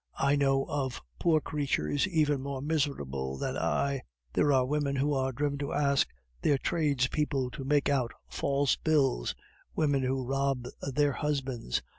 I know of poor creatures even more miserable than I; there are women who are driven to ask their tradespeople to make out false bills, women who rob their husbands.